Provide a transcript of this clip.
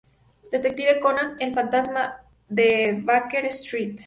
Detective Conan: El fantasma de Baker Street